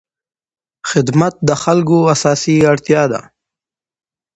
خدمت د خلکو اساسي اړتیا ده.